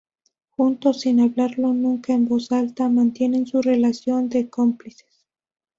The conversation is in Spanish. Juntos, sin hablarlo nunca en voz alta, mantienen su relación de cómplices.